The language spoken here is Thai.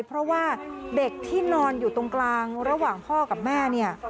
เพราะว่าเด็กที่นอนอยู่ตรงกลางระหว่างพ่อกับแม่เนี่ย